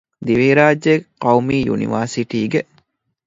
ދިވެހިރާއްޖޭގެ ޤައުމީ ޔުނިވަރސިޓީގެ